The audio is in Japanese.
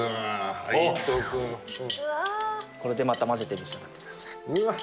背徳のこれでまた混ぜて召し上がってくださいうわっ！